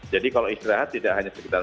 jadi kalau istirahat tidak hanya sekitar